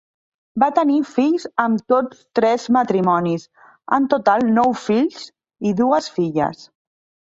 Va tenir fills amb tots tres matrimonis, en total nou fills i dues filles.